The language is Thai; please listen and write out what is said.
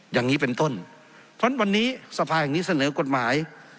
อย่างนี้เป็นต้นเพราะฉะวันนี้สภาแห่งนี้เสนอกฎหมาย